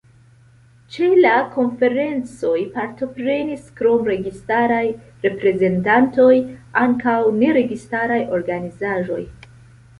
Ĉe la konferencoj partoprenis krom registaraj reprezentantoj ankaŭ neregistaraj organizaĵoj.